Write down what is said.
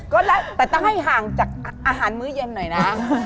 ก็แล้วแต่ต้องให้ห่างจากอาหารมื้อเย็นหน่อยนะ